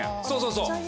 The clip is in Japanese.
そうそう。